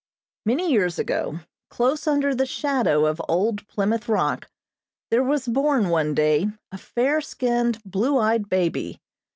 Many years ago, close under the shadow of old Plymouth Rock, there was born one day a fair skinned, blue eyed baby.